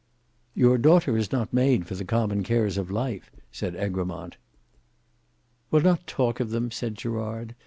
"Your daughter is not made for the common cares of life," said Egremont. "We'll not talk of them," said Gerard.